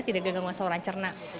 tidak ada gangguan seorang cerna gitu